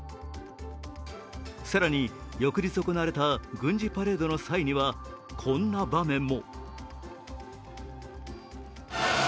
更に翌日行われた軍事パレードの際にはこんな場面も。